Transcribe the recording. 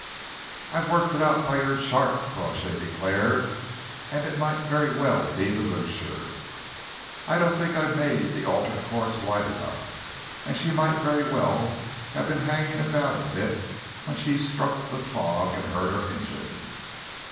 "I've worked it out by your chart," Crawshay declared, "and it might very well be the Blucher. I don't think I made the altered course wide enough, and she might very well have been hanging about a bit when she struck the fog and heard our engines."